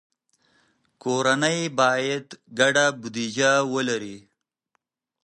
کورنۍ باید ګډه بودیجه ولري.